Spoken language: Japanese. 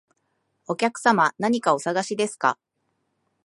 お客様、何かお探しですか？